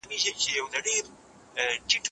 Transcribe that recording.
قدیم او ازلي یوازې خدای دی.